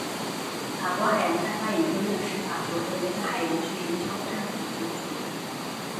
法国海洋开发研究院是法国的一个海洋学研究的政府服务组织。